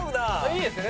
いいですね。